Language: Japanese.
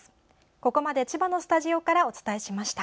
ここまで千葉のスタジオからお伝えしました。